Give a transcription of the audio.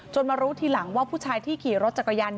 มารู้ทีหลังว่าผู้ชายที่ขี่รถจักรยาน